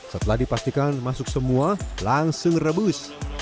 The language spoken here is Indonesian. setelah dipastikan masuk semua langsung rebus